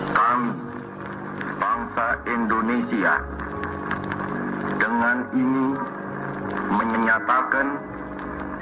kami bangsa indonesia dengan ini menyatakan kemerdekaan indonesia